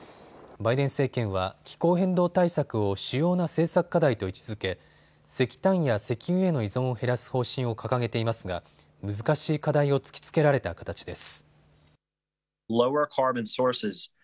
バイデン政権は気候変動対策を主要な政策課題と位置づけ石炭や石油への依存を減らす方針を掲げていますが難しい課題を突きつけられた形です。